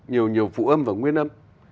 nhiều phụ âm và nguyên âm